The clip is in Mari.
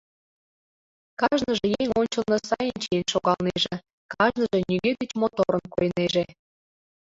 Кажныже еҥ ончылно сайын чиен шогалнеже, кажныже нигӧ деч моторын койнеже.